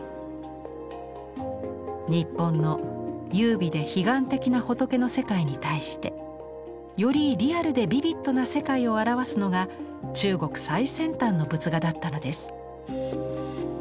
日本の優美で彼岸的な仏の世界に対してよりリアルでビビッドな世界を表すのが中国最先端の仏画だったのです。